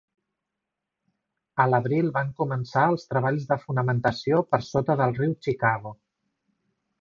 A l'abril, van començar els treballs de fonamentació per sota del riu Chicago.